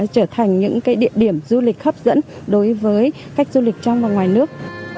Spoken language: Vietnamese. trở thành những địa điểm du lịch hấp dẫn đối với khách du lịch trong và ngoài nước